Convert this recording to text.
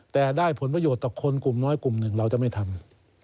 แต่ได้ผลประโยชน์ต่อคนกลุ่มน้อยกลุ่มหนึ่งเราจะไม่ทำ